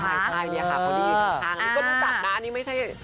ใช่ใช่เพราะที่เห็นข้างอันนี้ก็พูดจากนะอันนี้ไม่ใช่